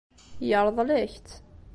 Yeṛḍel-ak-tt.